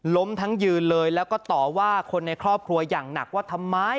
ล้มทั้งยืนเลยแล้วก็ต่อว่าคนในครอบครัวอย่างหนักว่าทำไม